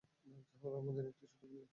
রাবযা হল মদীনার একটি ছোট্ট পল্লী।